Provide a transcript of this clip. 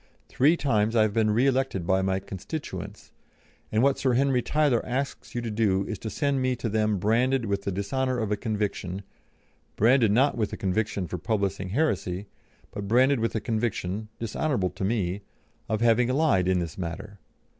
Three times I have been re elected by my constituents, and what Sir Henry Tyler asks you to do is to send me to them branded with the dishonour of a conviction, branded not with the conviction for publishing heresy, but branded with the conviction, dishonourable to me, of having lied in this matter.